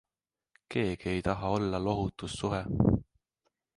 Keegi ei taha olla lohutus-suhe.